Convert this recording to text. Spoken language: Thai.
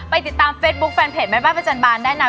ติดตามเฟสบุ๊คแฟนเพจแม่บ้านประจันบาลได้นะ